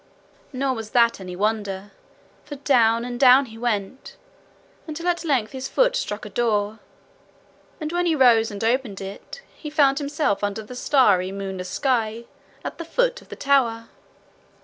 Nor was that any wonder, for down and down he went, until at length his foot struck a door, and when he rose and opened it, he found himself under the starry, moonless sky at the foot of the tower.